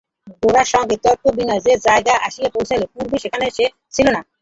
গোরার সঙ্গে তর্কে বিনয় যে জায়গায় আসিয়া পৌঁছিল পূর্বে সেখানে সে ছিল না।